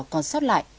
còn sót lại